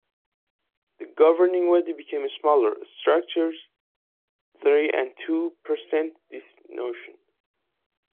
The governing body became smaller; structures three and two present this notion.